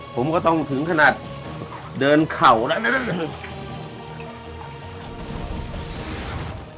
ผมก็ต้องถึงขนาดเดินเข่าแล้วนะ